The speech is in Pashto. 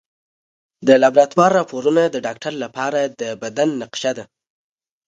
د لابراتوار راپورونه د ډاکټر لپاره د بدن نقشه ده.